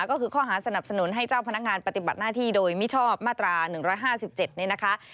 ก็คือข้อหาสนับสนุนให้เจ้าพนักงานปฏิบัติหน้าที่โดยมิชอบมาตรา๑๕๗นี่นะคะ